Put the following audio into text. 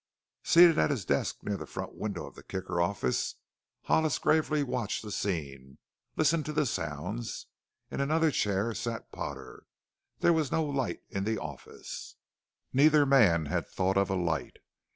Seated at his desk near the front window of the Kicker office Hollis gravely watched the scene listened to the sounds. In another chair sat Potter. There was no light in the office; neither man had thought of a light.